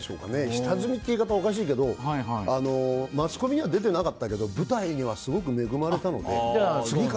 下積みって言い方はおかしいけどマスコミには出てなかったけど舞台にはすごく恵まれたので。